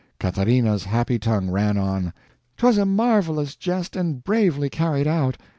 Catharina's happy tongue ran on: "'Twas a marvelous jest, and bravely carried out.